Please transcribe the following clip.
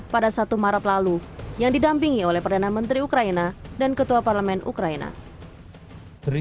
pada dua puluh empat februari lalu presiden ukraina dan ketua parlemen ukraina menampungnya